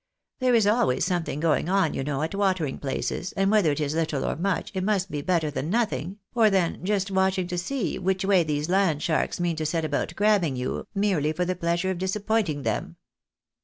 There is always something going on, you know, at watering places, and whether it is little or much, it must be better than nothing, or than just watching to see which way these land sharks mean to set about grabbing at you, merely for the pleasure of disappointing them."